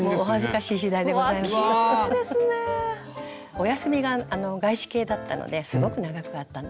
お休みが外資系だったのですごく長くあったんですね。